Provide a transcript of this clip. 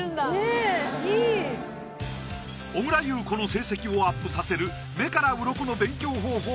小倉優子の成績をアップさせる目から鱗の勉強方法